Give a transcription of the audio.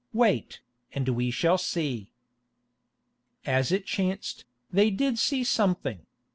Wait, and we shall see." As it chanced, they did see something.